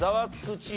チーム。